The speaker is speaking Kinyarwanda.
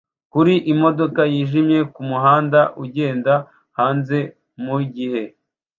kuri imodoka yijimye kumuhanda ugenda hanze mugihe